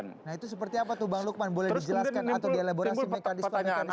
nah itu seperti apa tuh bang lukman boleh dijelaskan atau dielaborasi mekanisme mekanisme